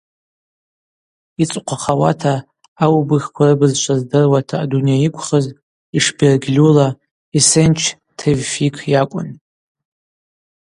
Йцӏыхъвахауата аубыхква рыбызшва здыруата адуней йыквхыз, йшбергьльула, Эсенч Тевфик йакӏвын.